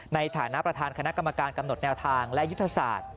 ในฐานะประธานคณะกรรมการกำหนดแนวทางและยุทธศาสตร์